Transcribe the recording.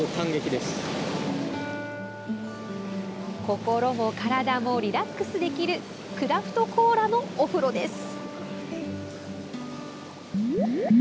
心も体もリラックスできるクラフトコーラのお風呂です。